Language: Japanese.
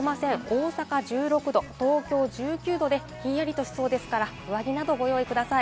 大阪は１６度、東京は１９度でひんやりとしそうですから、上着などをご用意ください。